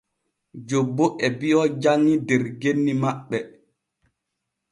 Jobbo e biyo janŋi der genni maɓɓe.